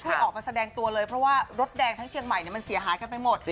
ออกมาแสดงตัวเลยเพราะว่ารถแดงทั้งเชียงใหม่มันเสียหายกันไปหมด